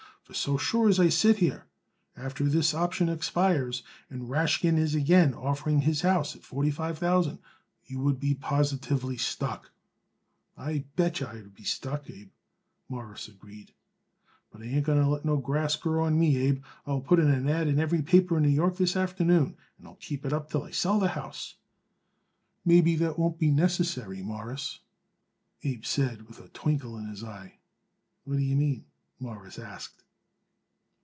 For so sure as I sit here, after this option expires, and Rashkin is again offering his house at forty five thousand, you would be positively stuck." "I bet yer I would be stuck, Abe," Morris agreed. "But I ain't going to let no grass grow on me, Abe. I will put in an ad. in every paper in New York this afternoon, and I'll keep it up till I sell the house." "Maybe that wouldn't be necessary, Mawruss," Abe said, with a twinkle in his eye. "What d'ye mean?" Morris asked.